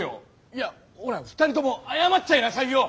いやほら２人とも謝っちゃいなさいよ！